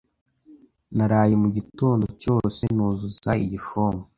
Naraye mugitondo cyose nuzuza iyi fomu.